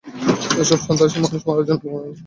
এসব সন্ত্রাসী মানুষ মারা জন্য বোমা ব্যবহার করে।